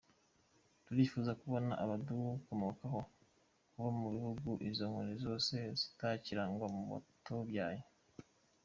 Turifuza kubona abadukomokaho baba mu gihugu izo nkoni zose zitakirangwa mu rwatubyaye.